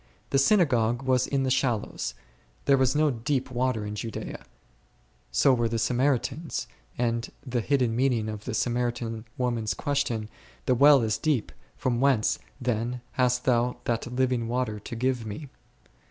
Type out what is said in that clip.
The synagogue was in the shallows, there was no deep water in Judea ; so were the Samaritans, and the hidden meaning of the Samaritan woman's question, the well is deep, from whence then hast Thou that living water to give me